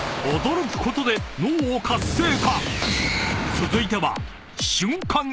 ［続いては］